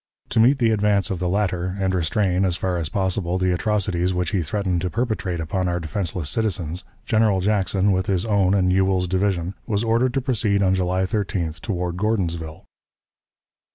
To meet the advance of the latter, and restrain, as far as possible, the atrocities which he threatened to perpetrate upon our defenseless citizens, General Jackson, with his own and Ewell's division, was ordered to proceed on July 13th toward Gordonsville.